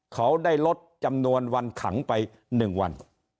เขาได้ลดจำนวนวันขังไป๑วัน